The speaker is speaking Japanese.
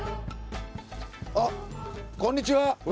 あこんにちは！